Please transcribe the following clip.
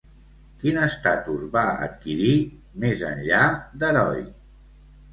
Quin estatus va adquirir més enllà d'heroi?